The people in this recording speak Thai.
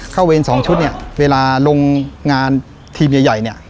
เวรสองชุดเนี่ยเวลาลงงานทีมใหญ่เนี่ย